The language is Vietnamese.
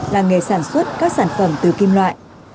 làng nghề sản xuất các sản phẩm từ kim loại